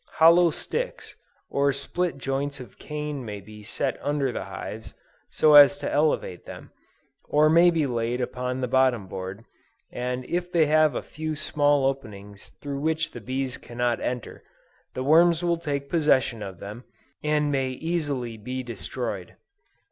Hollow sticks, or split joints of cane may be set under the hives, so as to elevate them, or may be laid on the bottom board, and if they have a few small openings through which the bees cannot enter, the worms will take possession of them, and may easily be destroyed.